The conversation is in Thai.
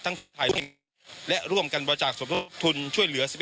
ทั้งภายพิธีและร่วมการบริจาคสมทบทุนช่วยเหลือ